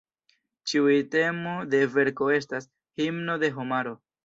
Ĉiuj temo de verko estas "Himno de Homaro".